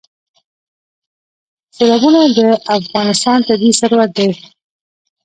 سیلابونه د افغانستان طبعي ثروت دی.